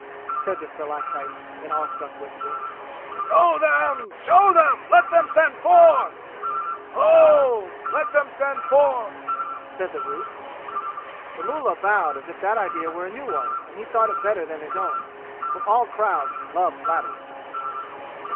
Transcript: said the stalactites, in an awe struck whisper. "Show them! Show them! Let them stand forth!" "Oh h h h h! Let them stand forth!" said the roof. The mullah bowed as if that idea were a new one and he thought it better than his own; for all crowds love flattery.